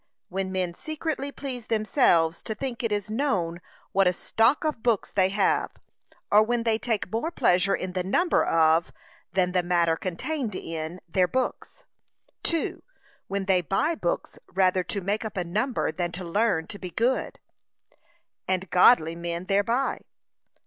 When men secretly please themselves to think it is known what a stock of books they have, or when they take more pleasure in the number of, than the matter contained in, their books. (2.) When they buy books rather to make up a number than to learn to be good and godly men thereby.